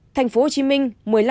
thành phố hồ chí minh